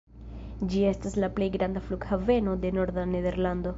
Ĝi estas la plej granda flughaveno de norda Nederlando.